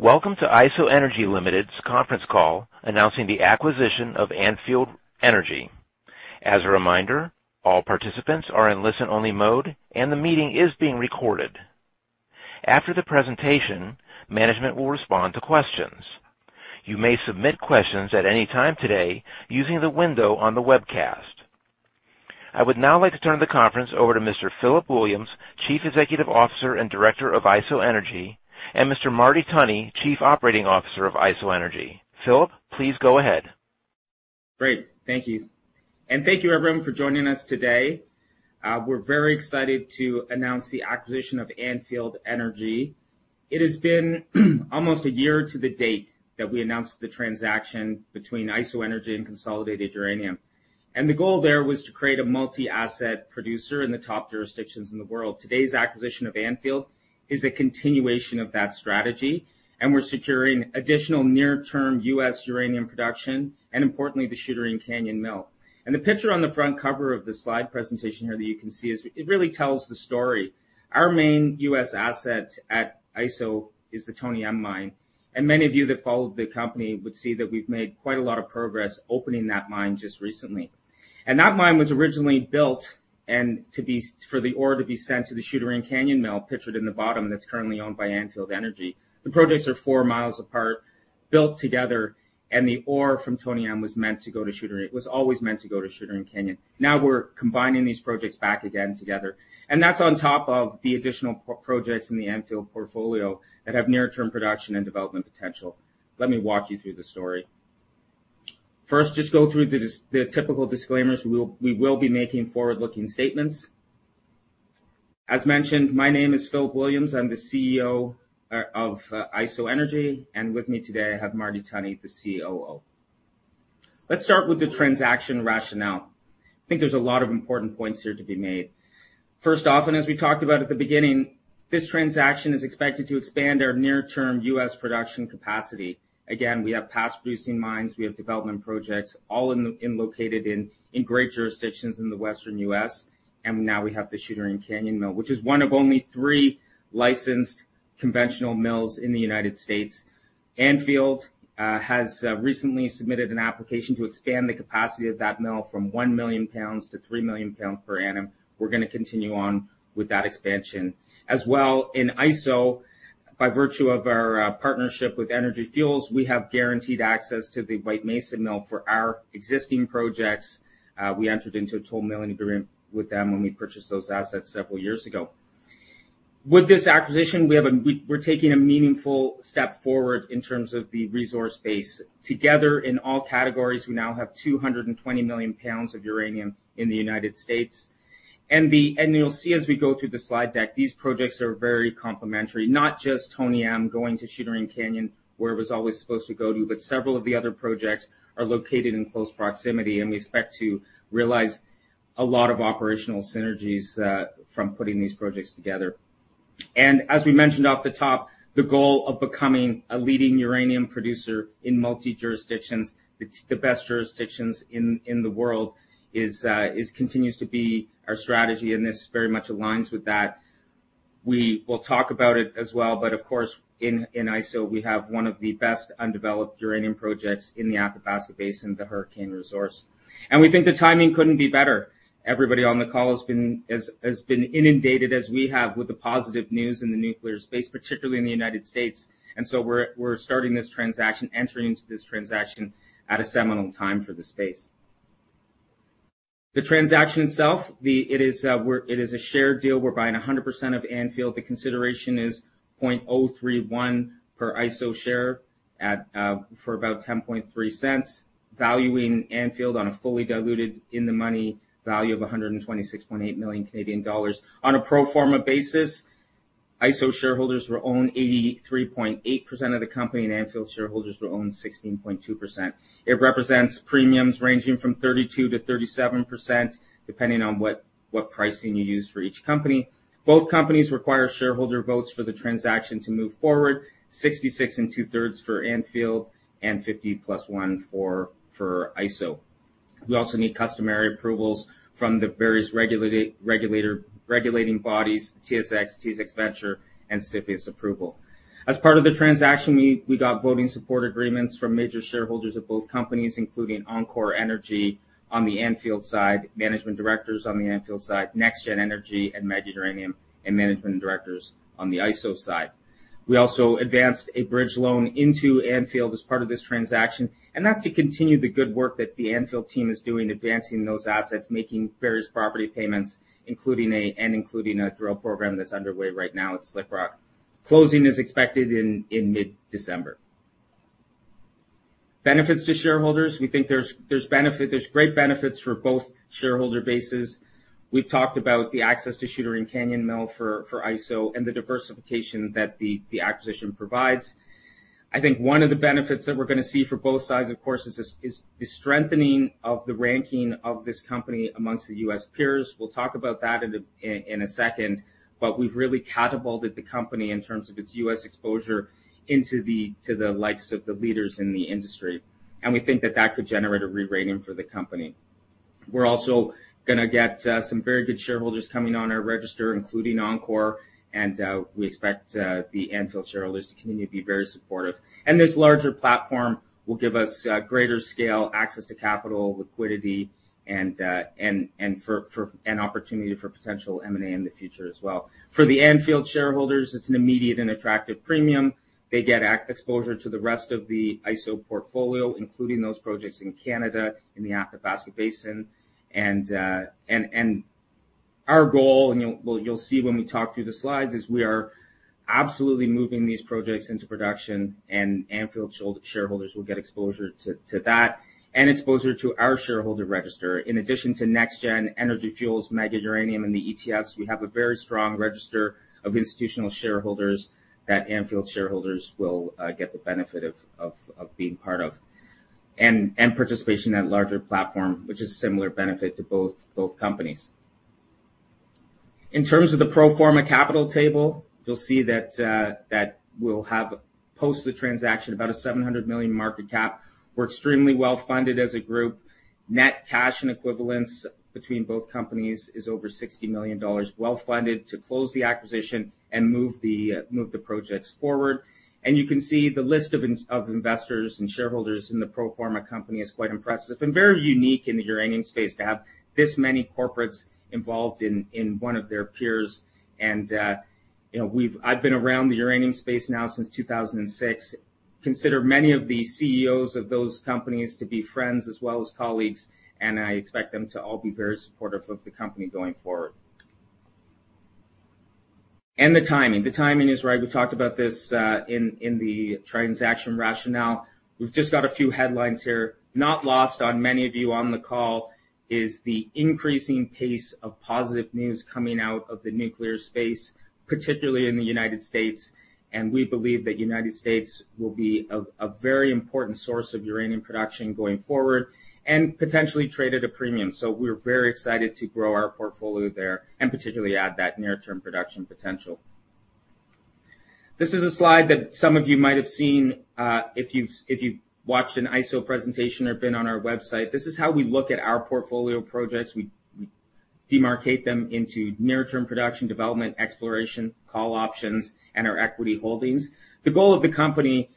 Welcome to IsoEnergy Limited's conference call announcing the acquisition of Anfield Energy. As a reminder, all participants are in listen-only mode, and the meeting is being recorded. After the presentation, management will respond to questions. You may submit questions at any time today using the window on the webcast. I would now like to turn the conference over to Mr. Philip Williams, Chief Executive Officer and Director of IsoEnergy, and Mr. Marty Tunney, Chief Operating Officer of IsoEnergy. Philip, please go ahead. Great. Thank you. Thank you everyone for joining us today. We're very excited to announce the acquisition of Anfield Energy. It has been almost a year to the date that we announced the transaction between IsoEnergy and Consolidated Uranium, and the goal there was to create a multi-asset producer in the top jurisdictions in the world. Today's acquisition of Anfield is a continuation of that strategy. We're securing additional near-term U.S. uranium production and importantly, the Shootaring Canyon Mill. The picture on the front cover of the slide presentation here that you can see is it really tells the story. Our main U.S. asset at Iso is the Tony M Mine. Many of you that followed the company would see that we've made quite a lot of progress opening that mine just recently. That mine was originally built and for the ore to be sent to the Shootaring Canyon Mill pictured in the bottom, and it's currently owned by Anfield Energy. The projects are 4 mi apart, built together, and the ore from Tony M was meant to go to Shootaring. It was always meant to go to Shootaring Canyon. We're combining these projects back again together. That's on top of the additional projects in the Anfield portfolio that have near-term production and development potential. Let me walk you through the story. First, just go through the typical disclaimers. We will be making forward-looking statements. As mentioned, my name is Philip Williams. I'm the CEO of IsoEnergy, and with me today I have Marty Tunney, the COO. Let's start with the transaction rationale. I think there's a lot of important points here to be made. First off, as we talked about at the beginning, this transaction is expected to expand our near-term U.S. production capacity. Again, we have past producing mines. We have development projects all located in great jurisdictions in the Western U.S. and now we have the Shootaring Canyon Mill, which is one of only three licensed conventional mills in the United States. Anfield has recently submitted an application to expand the capacity of that mill from 1 million pounds to 3 million pounds per annum. We're going to continue on with that expansion. As well in Iso by virtue of our partnership with Energy Fuels, we have guaranteed access to the White Mesa Mill for our existing projects. We entered into a toll milling agreement with them when we purchased those assets several years ago. With this acquisition, we're taking a meaningful step forward in terms of the resource base. Together in all categories, we now have 220 million pounds of uranium in the United States. You'll see as we go through the slide deck, these projects are very complementary, not just Tony M going to Shootaring Canyon, where it was always supposed to go to, but several of the other projects are located in close proximity, and we expect to realize a lot of operational synergies from putting these projects together. As we mentioned off the top, the goal of becoming a leading uranium producer in multi jurisdictions, the best jurisdictions in the world continues to be our strategy and this very much aligns with that. We will talk about it as well, but of course in Iso we have one of the best undeveloped uranium projects in the Athabasca Basin, the Hurricane resource. We think the timing couldn't be better. Everybody on the call has been inundated as we have with the positive news in the nuclear space, particularly in the U.S., so we're starting this transaction, entering into this transaction at a seminal time for the space. The transaction itself, it is a shared deal. We're buying 100% of Anfield. The consideration is 0.031 per Iso share for about 0.103, valuing Anfield on a fully diluted in the money value of 126.8 million Canadian dollars. On a pro forma basis, Iso shareholders will own 83.8% of the company and Anfield shareholders will own 16.2%. It represents premiums ranging from 32%-37%, depending on what pricing you use for each company. Both companies require shareholder votes for the transaction to move forward. 66 and 2/3% for Anfield and (50% + 1) for Iso. We also need customary approvals from the various regulating bodies, TSX Venture, and CFIUS approval. As part of the transaction, we got voting support agreements from major shareholders of both companies, including enCore Energy on the Anfield side, management directors on the Anfield side, NexGen Energy and Mega Uranium, and management and directors on the Iso side. We also advanced a bridge loan into Anfield as part of this transaction, and that's to continue the good work that the Anfield team is doing advancing those assets, making various property payments, and including a drill program that's underway right now at Slick Rock. Closing is expected in mid-December. Benefits to shareholders. We think there's great benefits for both shareholder bases. We've talked about the access to Shootaring Canyon Mill for Iso and the diversification that the acquisition provides. I think one of the benefits that we're going to see for both sides, of course, is the strengthening of the ranking of this company amongst the U.S. peers. We'll talk about that in a second, but we've really catapulted the company in terms of its U.S. exposure into the likes of the leaders in the industry, and we think that that could generate a re-rating for the company. We're also going to get some very good shareholders coming on our register, including enCore, and we expect the Anfield shareholders to continue to be very supportive. This larger platform will give us greater scale access to capital, liquidity, and an opportunity for potential M&A in the future as well. For the Anfield shareholders, it's an immediate and attractive premium. They get exposure to the rest of the Iso portfolio, including those projects in Canada in the Athabasca Basin. Our goal, and you'll see when we talk through the slides, is we are absolutely moving these projects into production, and Anfield shareholders will get exposure to that and exposure to our shareholder register. In addition to NexGen, Energy Fuels, Mega Uranium, and the ETFs, we have a very strong register of institutional shareholders that Anfield shareholders will get the benefit of being part of and participation in that larger platform, which is a similar benefit to both companies. In terms of the pro forma capital table, you'll see that we'll have, post the transaction, about a 700 million market cap. We're extremely well-funded as a group. Net cash and equivalents between both companies is over 60 million dollars, well-funded to close the acquisition and move the projects forward. You can see the list of investors and shareholders in the pro forma company is quite impressive and very unique in the uranium space to have this many corporates involved in one of their peers. I've been around the uranium space now since 2006, consider many of the CEOs of those companies to be friends as well as colleagues, and I expect them to all be very supportive of the company going forward. The timing. The timing is right. We talked about this in the transaction rationale. We've just got a few headlines here. Not lost on many of you on the call is the increasing pace of positive news coming out of the nuclear space, particularly in the U.S., and we believe that U.S. will be a very important source of uranium production going forward and potentially trade at a premium. We're very excited to grow our portfolio there and particularly add that near-term production potential. This is a slide that some of you might have seen if you've watched an Iso presentation or been on our website. This is how we look at our portfolio projects. We demarcate them into near-term production, development, exploration, call options, and our equity holdings. The goal of the company,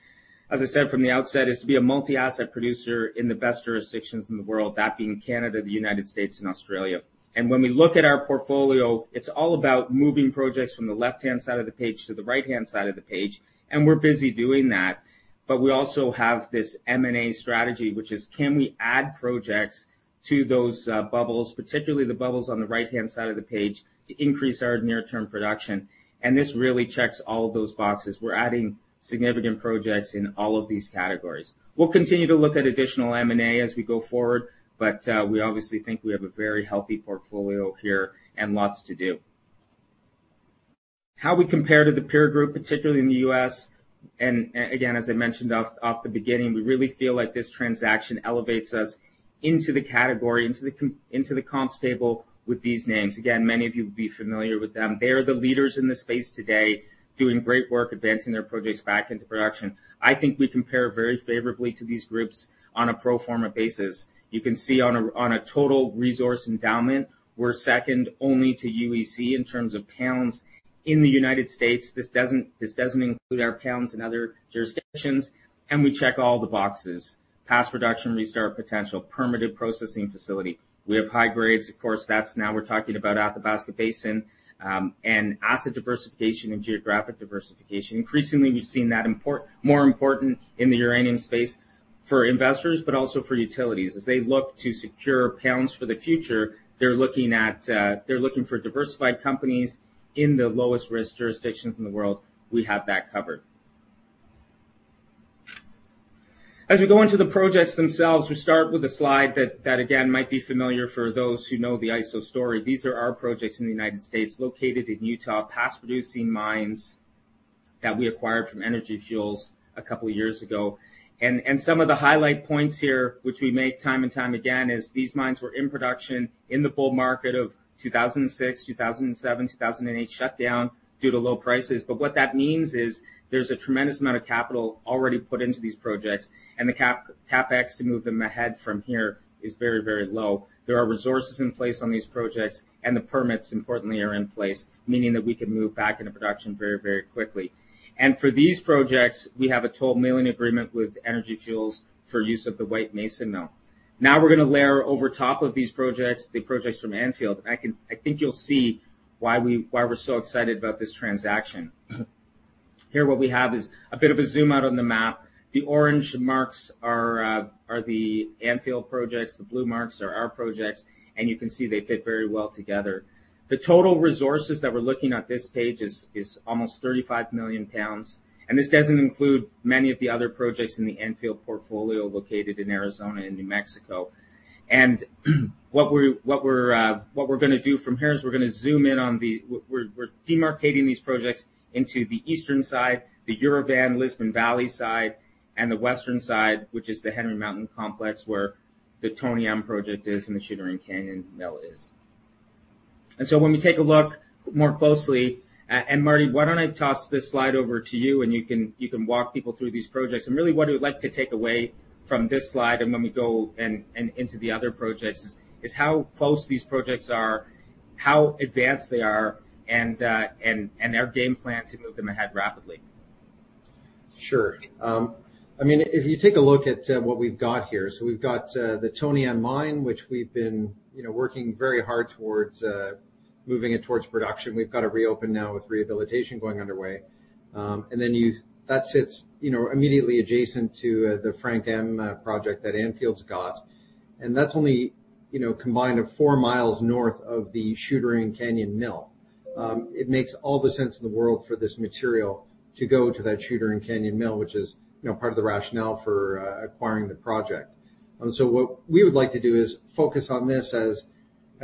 as I said from the outset, is to be a multi-asset producer in the best jurisdictions in the world, that being Canada, the U.S., and Australia. When we look at our portfolio, it's all about moving projects from the left-hand side of the page to the right-hand side of the page, and we're busy doing that. We also have this M&A strategy, which is can we add projects to those bubbles, particularly the bubbles on the right-hand side of the page, to increase our near-term production? This really checks all of those boxes. We're adding significant projects in all of these categories. We'll continue to look at additional M&A as we go forward, but we obviously think we have a very healthy portfolio here and lots to do. How we compare to the peer group, particularly in the U.S., and again, as I mentioned off the beginning, we really feel like this transaction elevates us into the category, into the comp table with these names. Many of you will be familiar with them. They are the leaders in the space today, doing great work advancing their projects back into production. I think we compare very favorably to these groups on a pro forma basis. You can see on a total resource endowment, we're second only to UEC in terms of pounds in the United States. This doesn't include our pounds in other jurisdictions. We check all the boxes. Past production restart potential, permitted processing facility. We have high grades, of course, that's now we're talking about Athabasca Basin, and asset diversification and geographic diversification. Increasingly, we've seen that more important in the uranium space for investors, but also for utilities. As they look to secure pounds for the future, they're looking for diversified companies in the lowest risk jurisdictions in the world. We have that covered. As we go into the projects themselves, we start with a slide that, again, might be familiar for those who know the Iso story. These are our projects in the United States., located in Utah, past producing mines that we acquired from Energy Fuels a couple of years ago. Some of the highlight points here, which we make time and time again, is these mines were in production in the bull market of 2006, 2007, 2008, shut down due to low prices. What that means is there's a tremendous amount of capital already put into these projects, and the CapEx to move them ahead from here is very low. There are resources in place on these projects, and the permits, importantly, are in place, meaning that we can move back into production very quickly. For these projects, we have a toll milling agreement with Energy Fuels for use of the White Mesa Mill. Now we're going to layer over top of these projects, the projects from Anfield. I think you'll see why we're so excited about this transaction. Here, what we have is a bit of a zoom out on the map. The orange marks are the Anfield projects, the blue marks are our projects. You can see they fit very well together. The total resources that we're looking at this page is almost 35 million pounds. This doesn't include many of the other projects in the Anfield portfolio located in Arizona and New Mexico. What we're going to do from here is we're demarcating these projects into the eastern side, the Uravan, Lisbon Valley side, and the western side, which is the Henry Mountain complex, where the Tony M project is and the Shootaring Canyon Mill is. When we take a look more closely, Marty, why don't I toss this slide over to you, and you can walk people through these projects. Really what we'd like to take away from this slide, and when we go into the other projects, is how close these projects are, how advanced they are, and their game plan to move them ahead rapidly. Sure. If you take a look at what we've got here, we've got the Tony M Mine, which we've been working very hard towards moving it towards production. We've got it reopened now with rehabilitation going underway. That sits immediately adjacent to the Frank M project that Anfield's got. That's only combined of 4 mi north of the Shootaring Canyon Mill. It makes all the sense in the world for this material to go to that Shootaring Canyon Mill, which is part of the rationale for acquiring the project. What we would like to do is focus on this as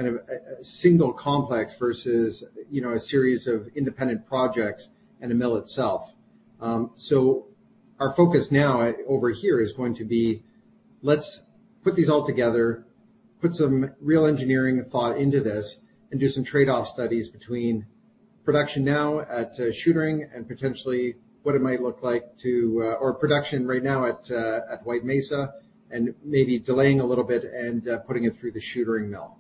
a single complex versus a series of independent projects and a mill itself. Our focus now over here is going to be, let's put these all together, put some real engineering thought into this, and do some trade-off studies between production now at Shootaring and potentially what it might look like to or production right now at White Mesa and maybe delaying a little bit and putting it through the Shootaring Mill.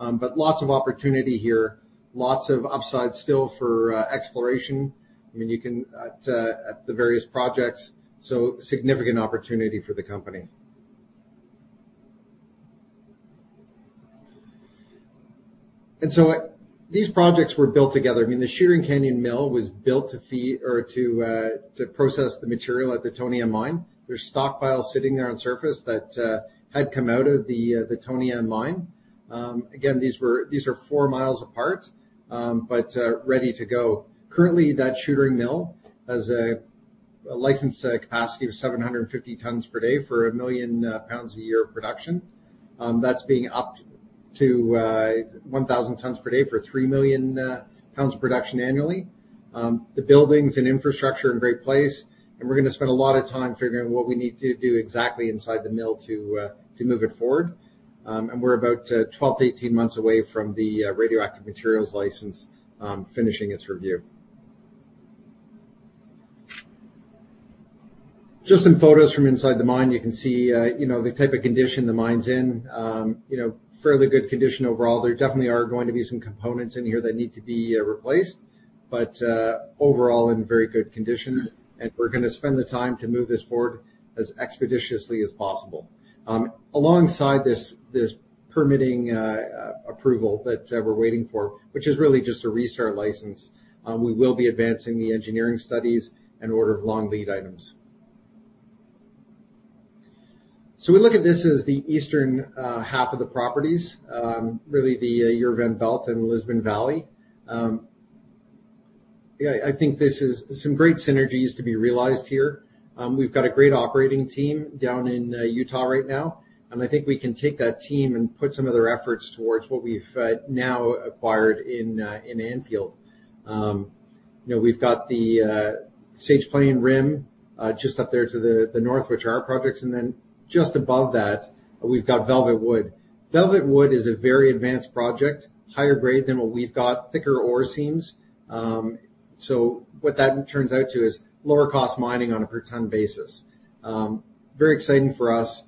Lots of opportunity here. Lots of upside still for exploration at the various projects, so significant opportunity for the company. These projects were built together. The Shootaring Canyon Mill was built to process the material at the Tony M Mine. There's stockpile sitting there on surface that had come out of the Tony M Mine. Again, these are 4 mi apart, but ready to go. Currently, that Shootaring Mill has a licensed capacity of 750 tons per day for 1 million pounds a year of production. That's being upped to 1,000 tons per day for 3 million pounds of production annually. The buildings and infrastructure are in great place, and we're going to spend a lot of time figuring out what we need to do exactly inside the mill to move it forward. We're about 12-18 months away from the radioactive materials license finishing its review. Just some photos from inside the mine. You can see the type of condition the mine's in. Fairly good condition overall. There definitely are going to be some components in here that need to be replaced, but overall in very good condition. We're going to spend the time to move this forward as expeditiously as possible. Alongside this permitting approval that we're waiting for, which is really just a restart license, we will be advancing the engineering studies and order of long lead items. We look at this as the eastern half of the properties, really the Uravan Belt and Lisbon Valley. I think this is some great synergies to be realized here. We've got a great operating team down in Utah right now, and I think we can take that team and put some of their efforts towards what we've now acquired in Anfield. We've got the Sage Plain, Rim just up there to the north, which are our projects, and then just above that, we've got Velvet Wood. Velvet Wood is a very advanced project, higher grade than what we've got, thicker ore seams. What that turns out to is lower cost mining on a per ton basis. Very exciting for us.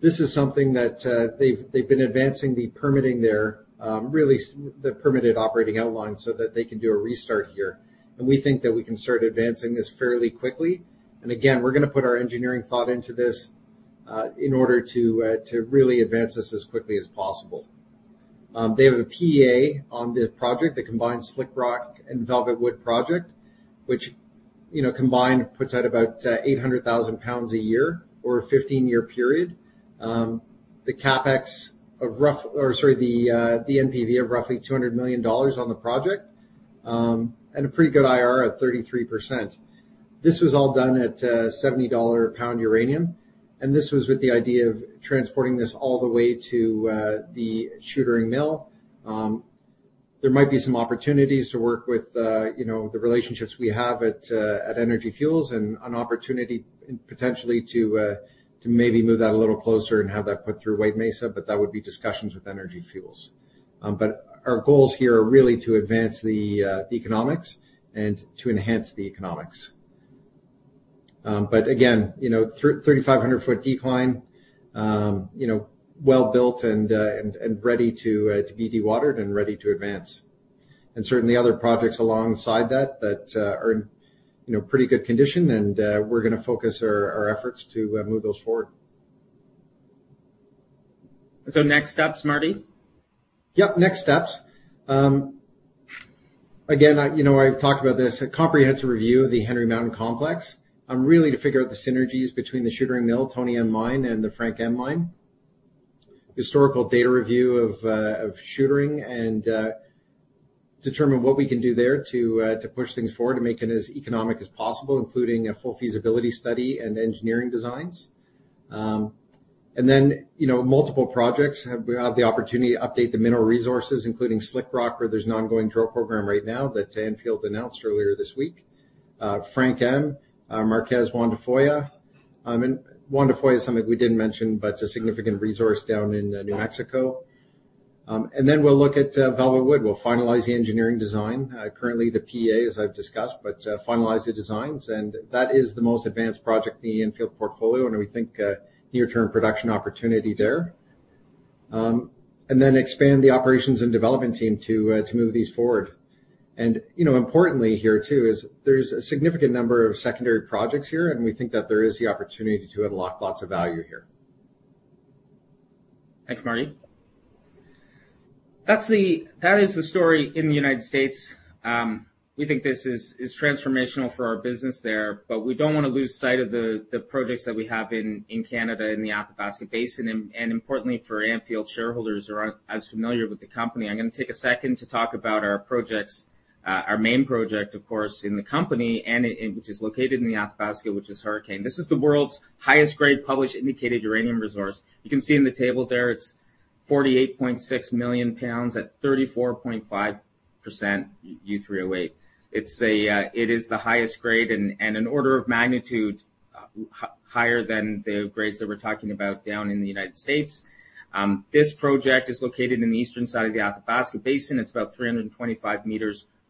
This is something that they've been advancing the permitting there, really the permitted operating outline so that they can do a restart here. We think that we can start advancing this fairly quickly. Again, we're going to put our engineering thought into this, in order to really advance this as quickly as possible. They have a PEA on the project, the combined Slick Rock and Velvet Wood Project, which combined puts out about 800,000 pounds a year over a 15-year period. The NPV of roughly 200 million dollars on the project, and a pretty good IRR at 33%. This was all done at 70 dollar a pound uranium, and this was with the idea of transporting this all the way to the Shootaring Mill. There might be some opportunities to work with the relationships we have at Energy Fuels and an opportunity potentially to maybe move that a little closer and have that put through White Mesa, that would be discussions with Energy Fuels. Our goals here are really to advance the economics and to enhance the economics. Again, 3,500-foot decline, well built and ready to be dewatered and ready to advance. Certainly other projects alongside that that are in pretty good condition and we're going to focus our efforts to move those forward. Next steps, Marty? Yep, next steps. Again, I've talked about this, a comprehensive review of the Henry Mountain Complex, really to figure out the synergies between the Shootaring Mill, Tony M Mine, and the Frank M Mine. Historical data review of Shootaring and determine what we can do there to push things forward to make it as economic as possible, including a full feasibility study and engineering designs. Multiple projects have the opportunity to update the mineral resources, including Slick Rock, where there's an ongoing drill program right now that Anfield announced earlier this week. Frank M, Marquez-Juan Tafoya. Juan Tafoya is something we didn't mention, but it's a significant resource down in New Mexico. We'll look at Velvet Wood. We'll finalize the engineering design. Currently the PEA, as I've discussed, but finalize the designs, and that is the most advanced project in the Anfield portfolio, and we think near-term production opportunity there. then expand the operations and development team to move these forward. Importantly here too is there's a significant number of secondary projects here, and we think that there is the opportunity to unlock lots of value here. Thanks, Marty. That is the story in the United States. We think this is transformational for our business there, but we don't want to lose sight of the projects that we have in Canada in the Athabasca Basin. Importantly for Anfield shareholders who aren't as familiar with the company, I'm going to take a second to talk about our projects. Our main project, of course, in the company and which is located in the Athabasca, which is Hurricane. This is the world's highest grade published indicated uranium resource. You can see in the table there, it's 48.6 million pounds at 34.5% U3O8. It is the highest grade and an order of magnitude higher than the grades that we're talking about down in the United States. This project is located in the eastern side of the Athabasca Basin. It's about 325 m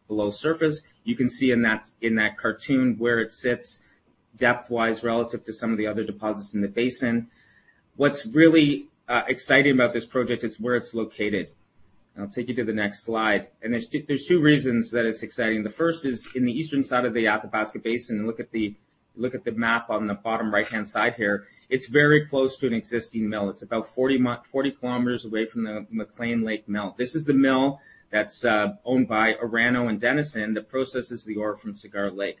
below surface. You can see in that cartoon where it sits depth-wise relative to some of the other deposits in the basin. What's really exciting about this project is where it's located. I'll take you to the next slide. There's two reasons that it's exciting. The first is in the eastern side of the Athabasca Basin, look at the map on the bottom right-hand side here. It's very close to an existing mill. It's about 40 km away from the McClean Lake mill. This is the mill that's owned by Orano and Denison that processes the ore from Cigar Lake.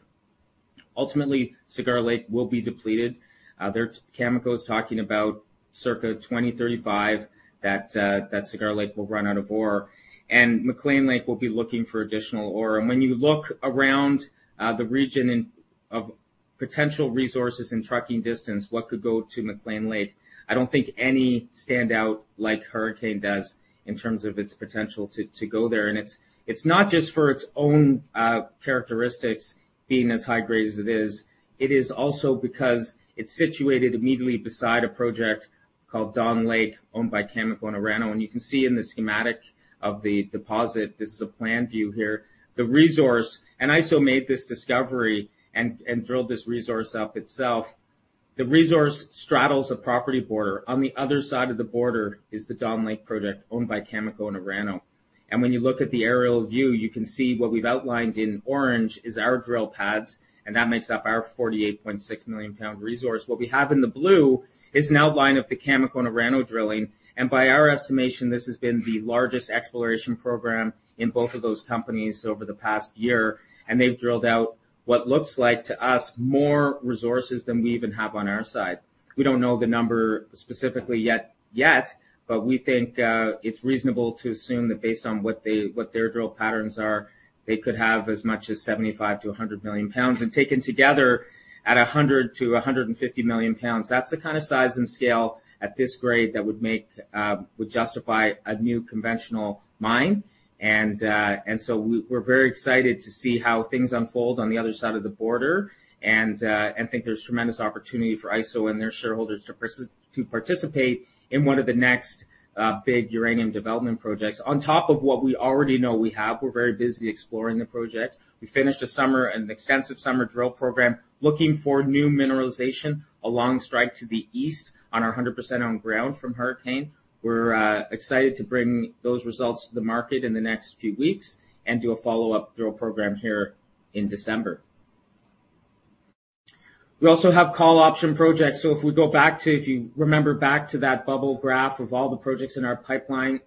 Ultimately, Cigar Lake will be depleted. Cameco is talking about circa 2035 that Cigar Lake will run out of ore, and McClean Lake will be looking for additional ore. When you look around the region of potential resources in trucking distance, what could go to McClean Lake? I don't think any stand out like Hurricane does in terms of its potential to go there, and it's not just for its own characteristics being as high grade as it is, it is also because it's situated immediately beside a project called Dawn Lake, owned by Cameco and Orano. You can see in the schematic of the deposit, this is a plan view here, the resource, and Iso made this discovery and drilled this resource up itself. The resource straddles a property border. On the other side of the border is the Dawn Lake project, owned by Cameco and Orano. When you look at the aerial view, you can see what we've outlined in orange is our drill pads, and that makes up our 48.6 million pound resource. What we have in the blue is an outline of the Cameco and Orano drilling, and by our estimation, this has been the largest exploration program in both of those companies over the past year, and they've drilled out what looks like to us more resources than we even have on our side. We don't know the number specifically yet, but we think it's reasonable to assume that based on what their drill patterns are, they could have as much as 75-100 million pounds. Taken together at 100-150 million pounds, that's the kind of size and scale at this grade that would justify a new conventional mine. We're very excited to see how things unfold on the other side of the border and think there's tremendous opportunity for Iso and their shareholders to participate in one of the next big uranium development projects. On top of what we already know we have, we're very busy exploring the project. We finished an extensive summer drill program looking for new mineralization along strike to the east on our 100% on ground from Hurricane. We're excited to bring those results to the market in the next few weeks and do a follow-up drill program here in December. We also have call option projects. If we go back to, if you remember back to that bubble graph of all the projects in our pipeline,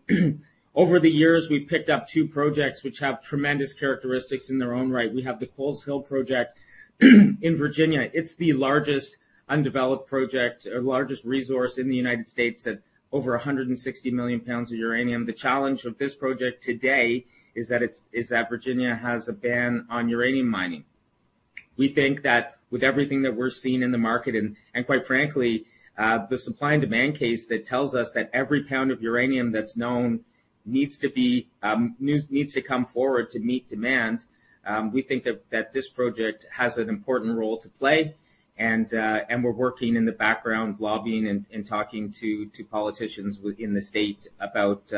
over the years, we've picked up two projects which have tremendous characteristics in their own right. We have the Coles Hill project in Virginia. It's the largest undeveloped project or largest resource in the United States at over 160 million pounds of uranium. The challenge of this project today is that Virginia has a ban on uranium mining. We think that with everything that we're seeing in the market, and quite frankly, the supply and demand case that tells us that every pound of uranium that's known needs to come forward to meet demand, we think that this project has an important role to play. We're working in the background, lobbying and talking to politicians within the state about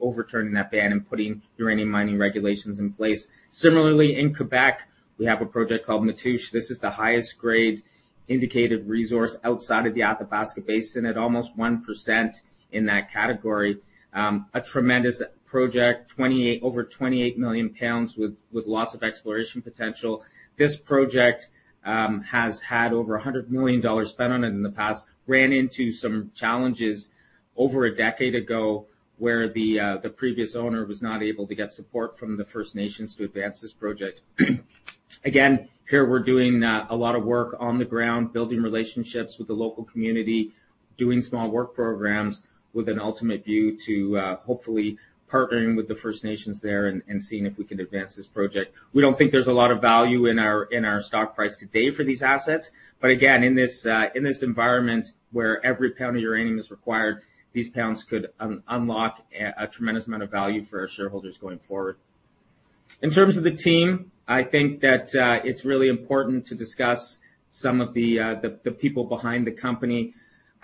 overturning that ban and putting uranium mining regulations in place. Similarly, in Quebec, we have a project called Matoush. This is the highest grade indicated resource outside of the Athabasca Basin at almost 1% in that category. A tremendous project, over 28 million pounds with lots of exploration potential. This project has had over 100 million dollars spent on it in the past. Ran into some challenges over a decade ago where the previous owner was not able to get support from the First Nations to advance this project. Again, here we're doing a lot of work on the ground, building relationships with the local community, doing small work programs with an ultimate view to hopefully partnering with the First Nations there and seeing if we can advance this project. We don't think there's a lot of value in our stock price today for these assets, but again, in this environment where every pound of uranium is required, these pounds could unlock a tremendous amount of value for our shareholders going forward. In terms of the team, I think that it's really important to discuss some of the people behind the company.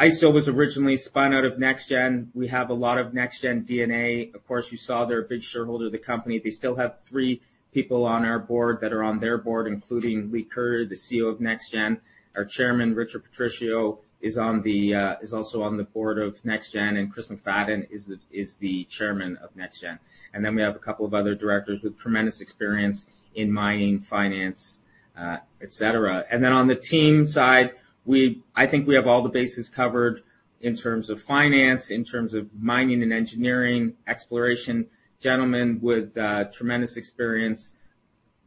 Iso was originally spun out of NexGen. We have a lot of NexGen DNA. Of course, you saw they're a big shareholder of the company. They still have three people on our board that are on their board, including Leigh Curyer, the CEO of NexGen. Our chairman, Richard Patricio, is also on the board of NexGen, and Chris McFadden is the chairman of NexGen. We have a couple of other directors with tremendous experience in mining, finance, et cetera. On the team side, I think we have all the bases covered in terms of finance, in terms of mining and engineering, exploration, gentlemen with tremendous experience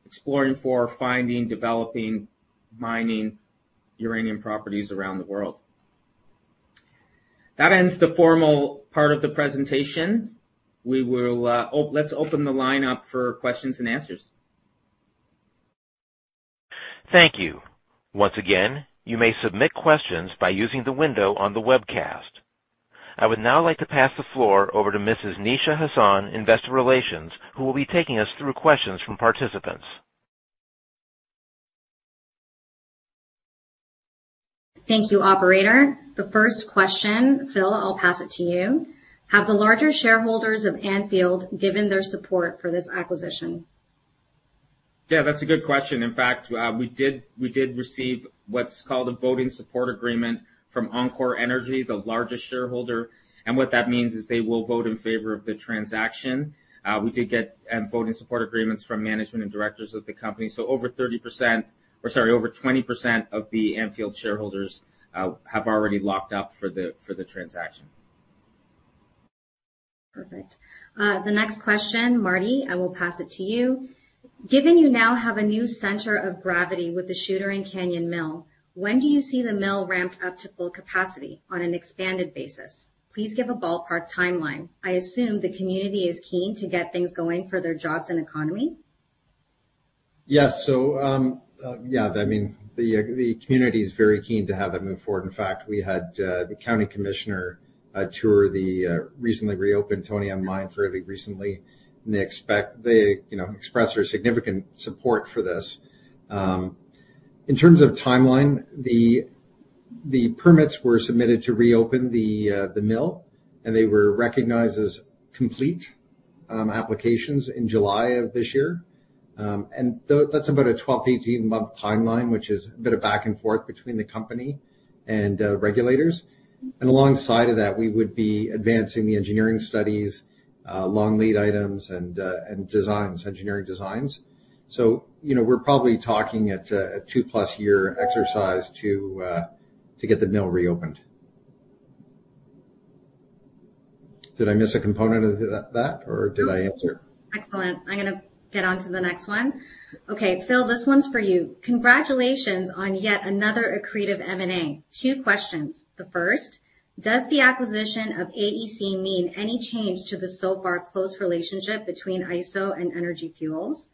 exploring for, finding, developing, mining uranium properties around the world. That ends the formal part of the presentation. Let's open the line up for questions and answers. Thank you. Once again, you may submit questions by using the window on the webcast. I would now like to pass the floor over to Mrs. Nisha Hasan, Investor Relations, who will be taking us through questions from participants. Thank you, operator. The first question, Phil, I'll pass it to you. Have the larger shareholders of Anfield given their support for this acquisition? Yeah, that's a good question. In fact, we did receive what's called a voting support agreement from enCore Energy, the largest shareholder. What that means is they will vote in favor of the transaction. We did get voting support agreements from management and directors of the company. Over 30%, or sorry, over 20% of the Anfield shareholders have already locked up for the transaction. Perfect. The next question, Marty, I will pass it to you. Given you now have a new center of gravity with the Shootaring Canyon Mill, when do you see the mill ramped up to full capacity on an expanded basis? Please give a ballpark timeline. I assume the community is keen to get things going for their jobs and economy. Yes. The community is very keen to have that move forward. In fact, we had the county commissioner tour the recently reopened Tony M Mine fairly recently, and they expressed their significant support for this. In terms of timeline, the permits were submitted to reopen the mill, and they were recognized as complete applications in July of this year. That's about a 12-18-month timeline, which is a bit of back and forth between the company and regulators. Alongside of that, we would be advancing the engineering studies, long lead items, and engineering designs. We're probably talking a two-plus year exercise to get the mill reopened. Did I miss a component of that, or did I answer? Excellent. I'm going to get on to the next one. Okay, Phil, this one's for you. Congratulations on yet another accretive M&A. Two questions. The first, does the acquisition of AEC mean any change to the so far close relationship between Iso and Energy Fuels?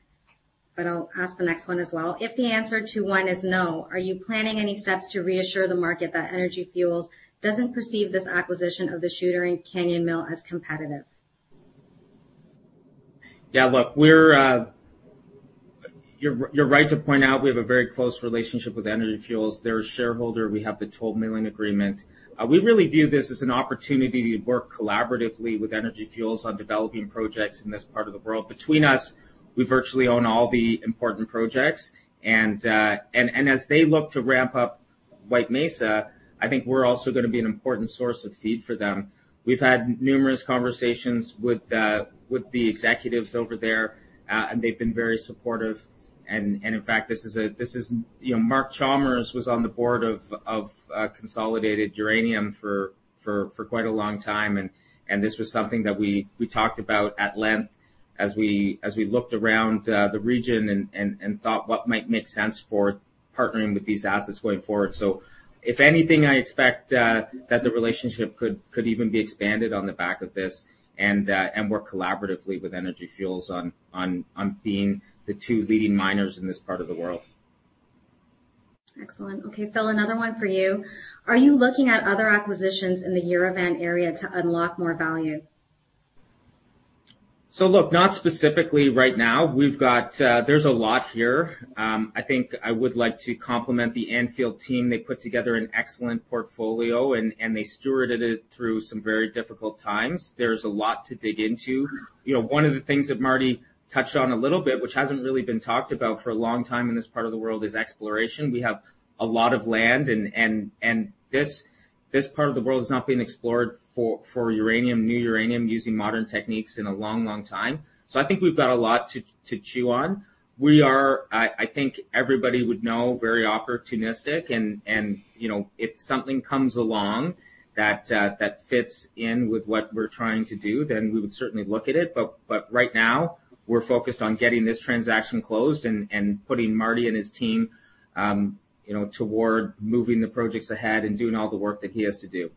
I'll ask the next one as well. If the answer to one is no, are you planning any steps to reassure the market that Energy Fuels doesn't perceive this acquisition of the Shootaring Canyon Mill as competitive? Yeah. You're right to point out we have a very close relationship with Energy Fuels. They're a shareholder. We have the toll milling agreement. We really view this as an opportunity to work collaboratively with Energy Fuels on developing projects in this part of the world. Between us, we virtually own all the important projects, and as they look to ramp up White Mesa, I think we're also going to be an important source of feed for them. We've had numerous conversations with the executives over there, and they've been very supportive. In fact, Mark Chalmers was on the board of Consolidated Uranium for quite a long time, and this was something that we talked about at length as we looked around the region and thought what might make sense for partnering with these assets going forward. If anything, I expect that the relationship could even be expanded on the back of this and work collaboratively with Energy Fuels on being the two leading miners in this part of the world. Excellent. Okay, Phil, another one for you. Are you looking at other acquisitions in the Uravan area to unlock more value? Look, not specifically right now. There's a lot here. I think I would like to compliment the Anfield team. They put together an excellent portfolio, and they stewarded it through some very difficult times. There's a lot to dig into. One of the things that Marty touched on a little bit, which hasn't really been talked about for a long time in this part of the world, is exploration. We have a lot of land, and this part of the world is not being explored for new uranium using modern techniques in a long time. I think we've got a lot to chew on. We are, I think everybody would know, very opportunistic, and if something comes along that fits in with what we're trying to do, then we would certainly look at it. Right now, we're focused on getting this transaction closed and putting Marty and his team toward moving the projects ahead and doing all the work that he has to do.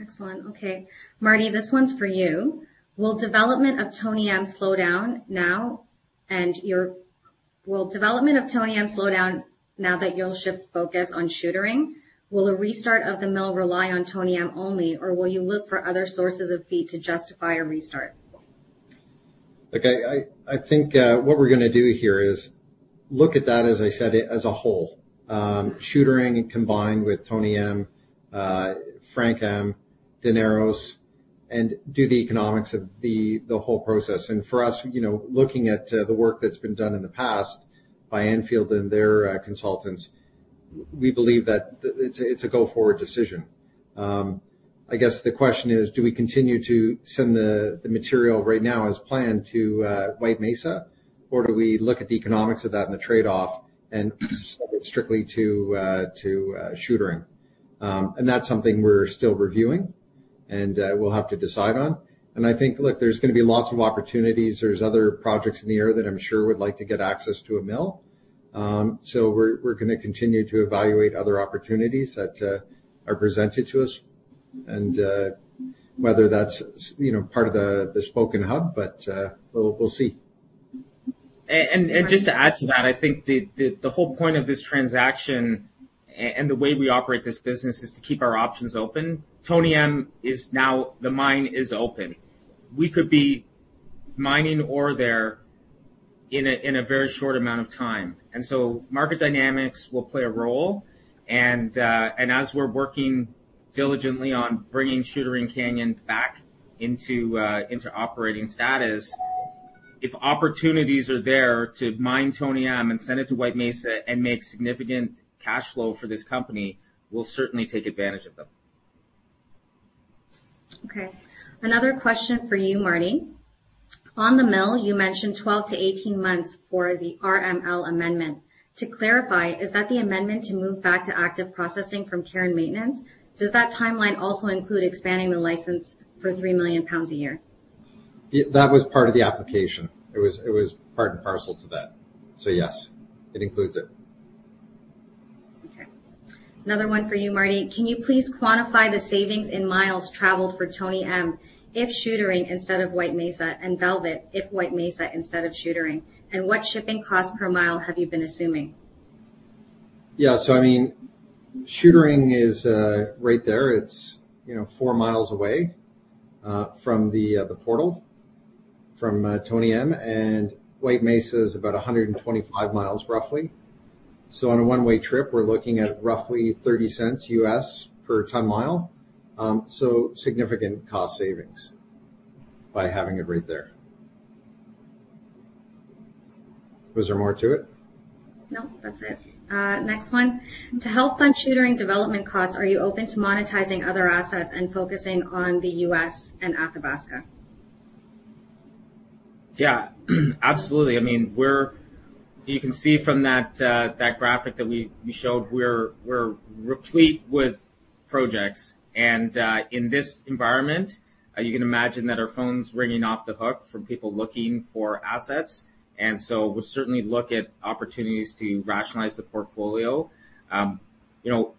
Excellent. Okay. Marty, this one's for you. Will development of Tony M slow down now that you'll shift focus on Shootaring? Will the restart of the mill rely on Tony M only, or will you look for other sources of feed to justify a restart? Look, I think, what we're going to do here is look at that, as I said, as a whole. Shootaring combined with Tony M, Frank M, Daneros, and do the economics of the whole process. For us, looking at the work that's been done in the past by Anfield and their consultants, we believe that it's a go-forward decision. I guess the question is, do we continue to send the material right now as planned to White Mesa, or do we look at the economics of that and the trade-off and sell it strictly to Shootaring? That's something we're still reviewing and we'll have to decide on. I think, look, there's going to be lots of opportunities. There's other projects in the air that I'm sure would like to get access to a mill. We're going to continue to evaluate other opportunities that are presented to us and whether that's part of the spoken hub, but we'll see. Just to add to that, I think the whole point of this transaction and the way we operate this business is to keep our options open. Tony M is now the mine is open. We could be mining ore there in a very short amount of time. Market dynamics will play a role and as we're working diligently on bringing Shootaring Canyon back into operating status, if opportunities are there to mine Tony M and send it to White Mesa and make significant cash flow for this company, we'll certainly take advantage of them. Okay. Another question for you, Marty. On the mill, you mentioned 12-18 months for the RML amendment. To clarify, is that the amendment to move back to active processing from care and maintenance? Does that timeline also include expanding the license for 3 million pounds a year? That was part of the application. It was part and parcel to that. yes, it includes it. Okay. Another one for you, Marty. Can you please quantify the savings in miles traveled for Tony M if Shootaring instead of White Mesa, and Velvet if White Mesa instead of Shootaring, and what shipping cost per mile have you been assuming? Yeah. Shootaring is right there. It's 4 mi away from the portal from Tony M, and White Mesa is about 125 miles roughly. On a one-way trip, we're looking at roughly $0.30 per ton mile. Significant cost savings by having it right there. Was there more to it? No, that's it. Next one. To help fund Shootaring development costs, are you open to monetizing other assets and focusing on the U.S. and Athabasca? Yeah, absolutely. You can see from that graphic that we showed, we're replete with projects. In this environment, you can imagine that our phone's ringing off the hook from people looking for assets. We'll certainly look at opportunities to rationalize the portfolio.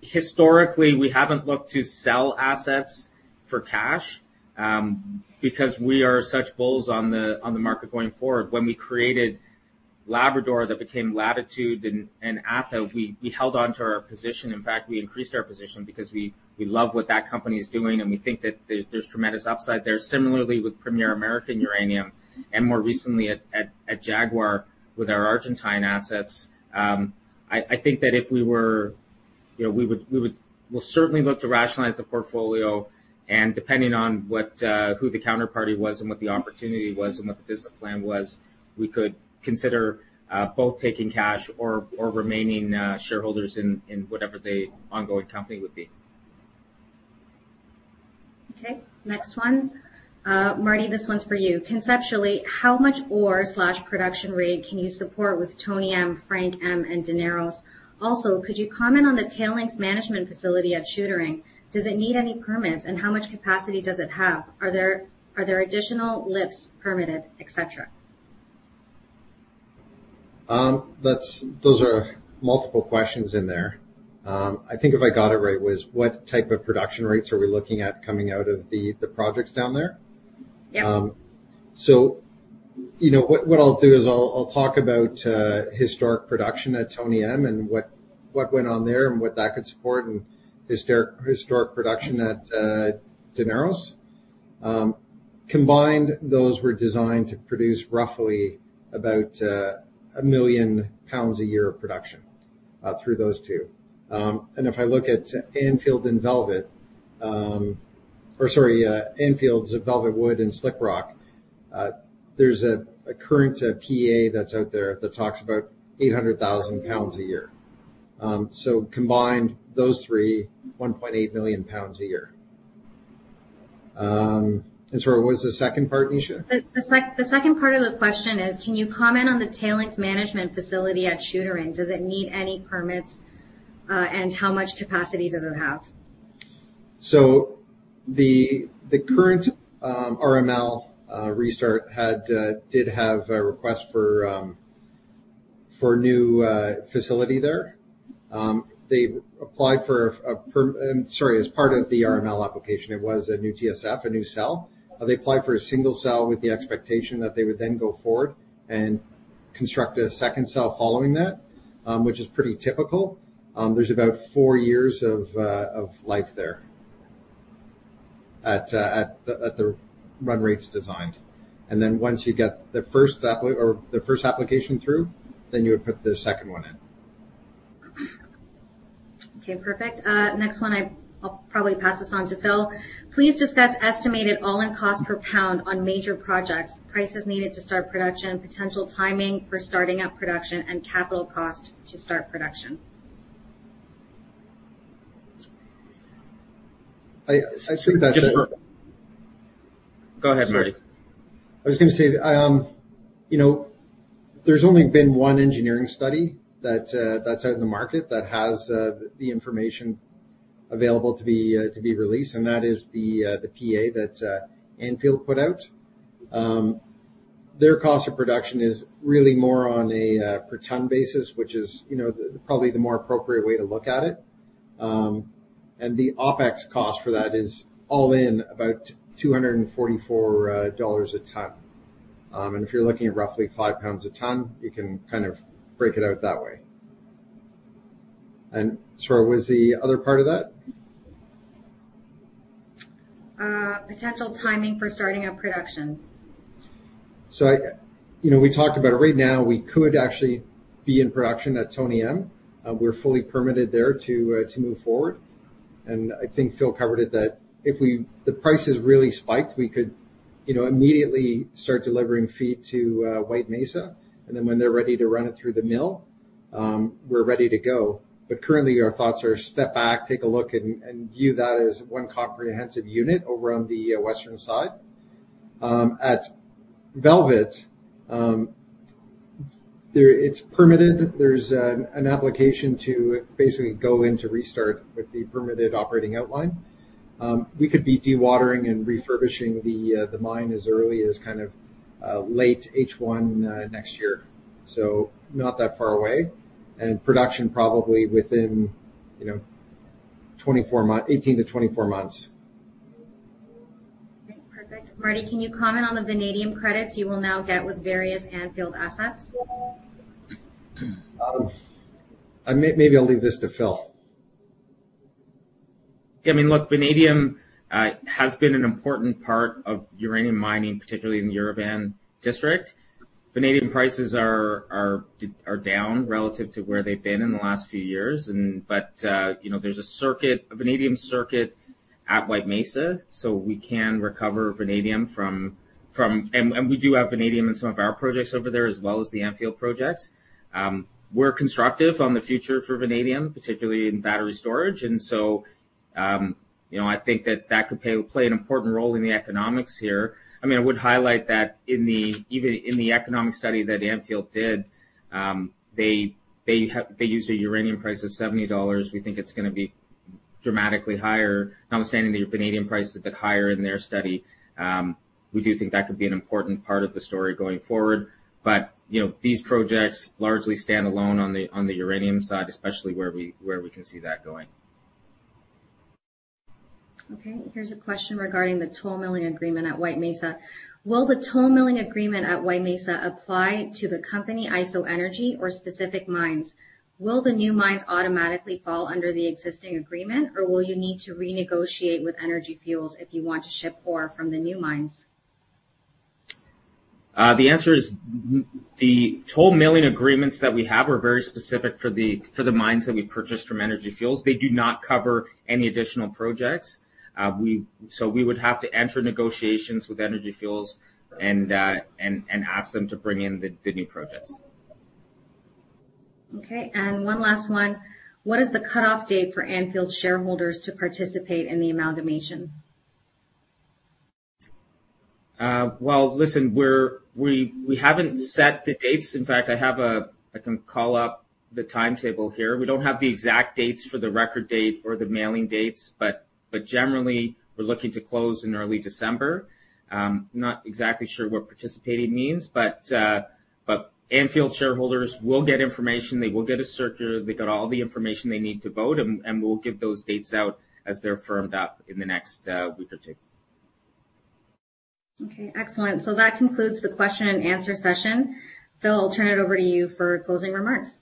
Historically, we haven't looked to sell assets for cash, because we are such bulls on the market going forward. When we created Labrador, that became Latitude and ATHA, we held onto our position. In fact, we increased our position because we love what that company is doing, and we think that there's tremendous upside there. Similarly with Premier American Uranium and more recently at Jaguar with our Argentine assets. We'll certainly look to rationalize the portfolio and depending on who the counterparty was and what the opportunity was and what the business plan was, we could consider both taking cash or remaining shareholders in whatever the ongoing company would be. Okay, next one. Marty, this one's for you. Conceptually, how much ore/production rate can you support with Tony M, Frank M, and Daneros? Also, could you comment on the tailings management facility at Shootaring? Does it need any permits, and how much capacity does it have? Are there additional lifts permitted, et cetera? Those are multiple questions in there. I think if I got it right, was what type of production rates are we looking at coming out of the projects down there? Yeah. What I'll do is I'll talk about historic production at Tony M and what went on there and what that could support and historic production at Daneros. Combined, those were designed to produce roughly about a million pounds a year of production, through those two. If I look at Anfield, Velvet Wood, and Slick Rock, there's a current PEA that's out there that talks about 800,000 pounds a year. Combined, those three, 1.8 million pounds a year. Sorry, what was the second part, Nisha? The second part of the question is can you comment on the tailings management facility at Shootaring? Does it need any permits, and how much capacity does it have? The current RML restart did have a request for a new facility there. As part of the RML application, it was a new TSF, a new cell. They applied for a single cell with the expectation that they would then go forward and construct a second cell following that, which is pretty typical. There's about four years of life there at the run rates designed. once you get the first application through, then you would put the second one in. Okay, perfect. Next one, I'll probably pass this on to Phil. Please discuss estimated all-in cost per pound on major projects, prices needed to start production, potential timing for starting up production, and capital cost to start production. I was going to- Go ahead, Marty. I was going to say, there's only been one engineering study that's out in the market that has the information available to be released, and that is the PEA that Anfield put out. Their cost of production is really more on a per ton basis, which is probably the more appropriate way to look at it. The OPEX cost for that is all in about 244 dollars a ton. If you're looking at roughly five pounds a ton, you can break it out that way. Sorry, what was the other part of that? Potential timing for starting up production. We talked about it. Right now, we could actually be in production at Tony M. We're fully permitted there to move forward. I think Phil covered it, that if the prices really spiked, we could immediately start delivering feed to White Mesa, and then when they're ready to run it through the mill, we're ready to go. Currently, our thoughts are step back, take a look, and view that as one comprehensive unit over on the western side. At Velvet, it's permitted. There's an application to basically go in to restart with the permitted operating outline. We could be dewatering and refurbishing the mine as early as late H1 next year, so not that far away, and production probably within 18-24 months. Okay, perfect. Marty, can you comment on the vanadium credits you will now get with various Anfield assets? Maybe I'll leave this to Phil. I mean, look, vanadium has been an important part of uranium mining, particularly in the Uravan district. Vanadium prices are down relative to where they've been in the last few years, but there's a vanadium circuit at White Mesa, so we can recover vanadium from. We do have vanadium in some of our projects over there, as well as the Anfield projects. We're constructive on the future for vanadium, particularly in battery storage, and so I think that could play an important role in the economics here. I would highlight that even in the economic study that Anfield did, they used a uranium price of 70 dollars. We think it's going to be dramatically higher, notwithstanding the vanadium price a bit higher in their study. We do think that could be an important part of the story going forward. These projects largely stand alone on the uranium side, especially where we can see that going. Okay. Here's a question regarding the toll milling agreement at White Mesa. Will the toll milling agreement at White Mesa apply to the company IsoEnergy or specific mines? Will the new mines automatically fall under the existing agreement, or will you need to renegotiate with Energy Fuels if you want to ship ore from the new mines? The answer is the toll milling agreements that we have are very specific for the mines that we purchased from Energy Fuels. They do not cover any additional projects. We would have to enter negotiations with Energy Fuels and ask them to bring in the new projects. Okay. One last one. What is the cutoff date for Anfield shareholders to participate in the amalgamation? Well, listen, we haven't set the dates. In fact, I can call up the timetable here. We don't have the exact dates for the record date or the mailing dates, but generally, we're looking to close in early December. Not exactly sure what participating means, but Anfield shareholders will get information. They will get a circular. They got all the information they need to vote, and we'll give those dates out as they're firmed up in the next week or two. Okay, excellent. That concludes the question and answer session. Phil, I'll turn it over to you for closing remarks.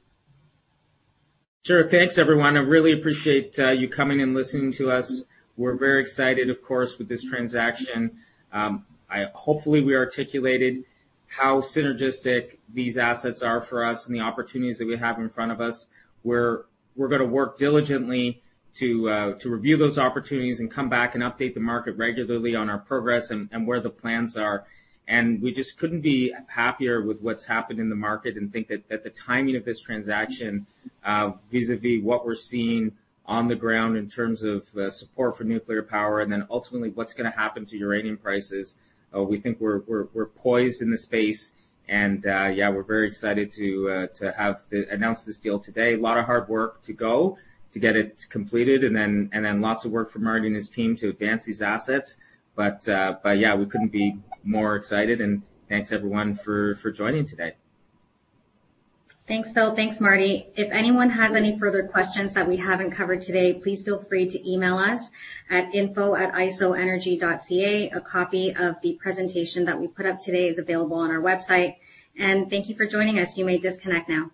Sure. Thanks, everyone. I really appreciate you coming and listening to us. We're very excited, of course, with this transaction. Hopefully, we articulated how synergistic these assets are for us and the opportunities that we have in front of us, where we're going to work diligently to review those opportunities and come back and update the market regularly on our progress and where the plans are. We just couldn't be happier with what's happened in the market and think that the timing of this transaction, vis-à-vis what we're seeing on the ground in terms of support for nuclear power, and then ultimately what's going to happen to uranium prices. We think we're poised in the space. Yeah, we're very excited to have announced this deal today. A lot of hard work to go to get it completed, and then lots of work for Marty and his team to advance these assets. Yeah, we couldn't be more excited, and thanks, everyone, for joining today. Thanks, Phil. Thanks, Marty. If anyone has any further questions that we haven't covered today, please feel free to email us at info@isoenergy.ca. A copy of the presentation that we put up today is available on our website. Thank you for joining us. You may disconnect now.